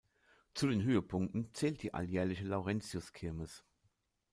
Zu den Höhepunkten zählt die alljährliche Laurentius-Kirmes.